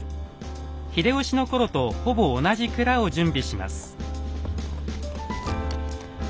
秀吉の頃とほぼ同じくらを準備します。